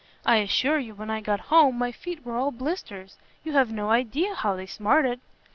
I assure you when I got home my feet were all blisters. You have no idea how they smarted."